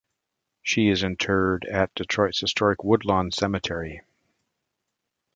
She is interred at Detroit's historic Woodlawn Cemetery.